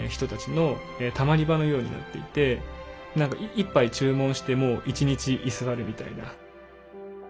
１杯注文しても１日居座るみたいな。